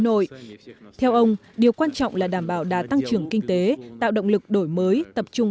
nội theo ông điều quan trọng là đảm bảo đã tăng trưởng kinh tế tạo động lực đổi mới tập trung